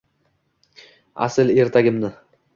Asl ertagimni